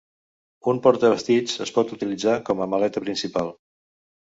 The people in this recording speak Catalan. Un porta-vestits es pot utilitzar com a maleta principal.